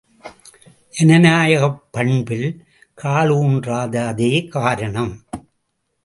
ஜனநாயகப் பண்பில் காலூன்றாததே காரணம்.